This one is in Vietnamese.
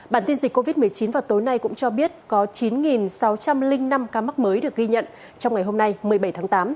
bản tin dịch covid một mươi chín vào tối nay cũng cho biết có chín sáu trăm linh năm ca mắc mới được ghi nhận trong ngày hôm nay một mươi bảy tháng tám